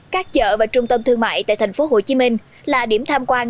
các chợ và trung tâm thương mại tại thành phố hồ chí minh là điểm tham quan